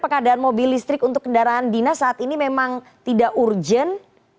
pengadaan mobil listrik untuk kendaraan dinas saat ini memang tidak urgent